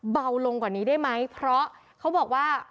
เบาลงกว่านี้ได้ไหมเพราะเขาบอกว่า